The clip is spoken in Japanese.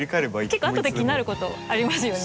結構あとで気になることありますよね。